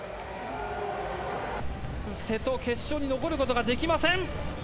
瀬戸、決勝に残ることができません。